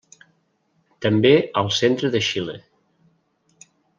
També al centre de Xile.